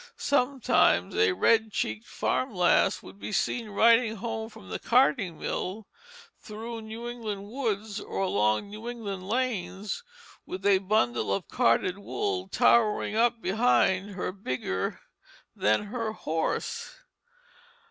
Sometimes a red cheeked farmer's lass would be seen riding home from the carding mill, through New England woods or along New England lanes, with a bundle of carded wool towering up behind her bigger than her horse.